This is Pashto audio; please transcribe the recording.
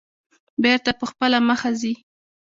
بېرته په خپله مخه ځي.